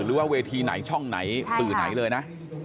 หรือว่าเวทีไหนช่องไหนสื่อไหนเลยนะ